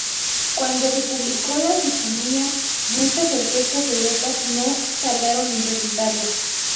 Cuando se publicó la sinfonía, muchas orquestas europeas no tardaron en presentarla.